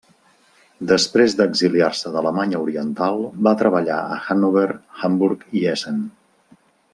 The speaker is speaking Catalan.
Després d'exiliar-se d'Alemanya Oriental va treballar a Hannover, Hamburg i Essen.